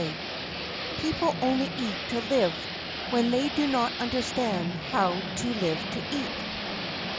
_" (People only eat to live when they do not understand how to live to eat.)